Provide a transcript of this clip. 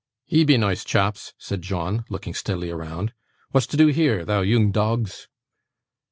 'Ye be noice chaps,' said John, looking steadily round. 'What's to do here, thou yoong dogs?